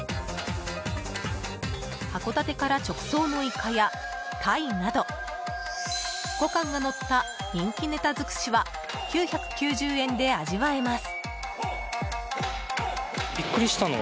函館から直送のイカやタイなど５貫がのった人気ネタづくしは９９０円で味わえます。